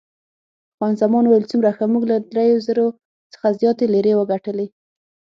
خان زمان وویل، څومره ښه، موږ له دریو زرو څخه زیاتې لیرې وګټلې.